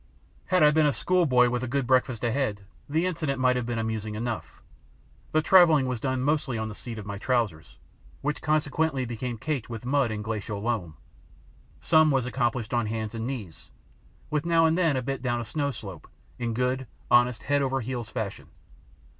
Had I been a schoolboy with a good breakfast ahead the incident might have been amusing enough. The travelling was mostly done on the seat of my trousers, which consequently became caked with mud and glacial loam. Some was accomplished on hands and knees, with now and then a bit down a snow slope, in good, honest head over heels fashion.